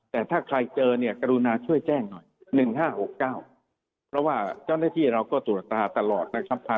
แต่ถ้าใครเจอเนี่ยกรุณาช่วยแจ้งหน่อย๑๕๖๙เพราะว่าเจ้าหน้าที่เราก็ตรวจตาตลอดนะครับ